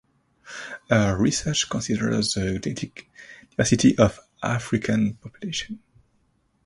Her research considers the genetic diversity of African Populations.